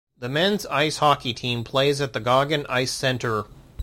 The men's ice hockey team plays at the Goggin Ice Center.